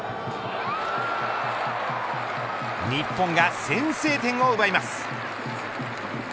日本が先制点を奪います。